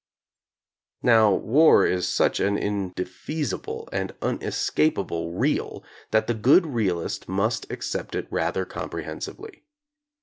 Now war is such an indefeasible and unescap able Real that the good realist must accept it rather comprehensively.